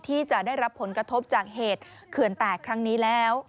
ที่จะได้รับผลกระทบจากเหตุเขื่อนแตกครั้งนี้แล้ว